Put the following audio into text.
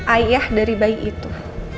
ayah dari bayi itu